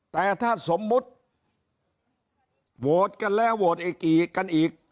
แต่ถ้าสมมุติโวทย์กันแล้วโวทย์กันอีก